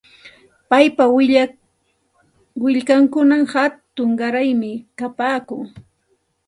Paypa willkankunam hatun qaraymi kapaakun.